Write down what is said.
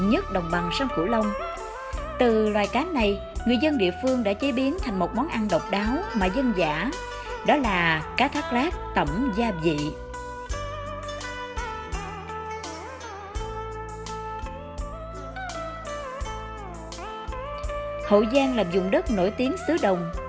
hậu giang là vùng đất nổi tiếng xứ đồng